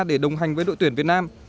để đồng hành với đội tuyển việt nam